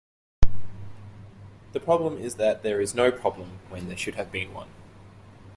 The problem is that there is no problem when there should have been one.